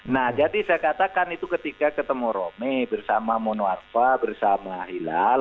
nah jadi saya katakan itu ketika ketemu romi bersama mono arpa bersama hilal